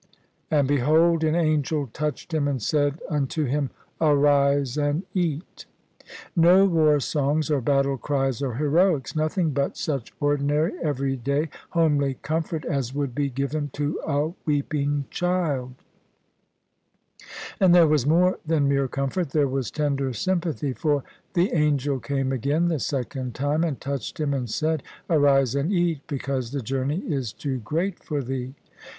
"And behold an angel touched him and said unto him. Arise and eat." No war songs or battle cries or heroics. Nothing but such ordinary, everyday, homely comfort as would be given to a weeping child. And there was more than mere comfort : there was tender sympathy : for " the Angel came again the second time and touched him and said. Arise and eat; because the journey is too great for thee."